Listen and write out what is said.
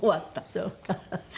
そうか。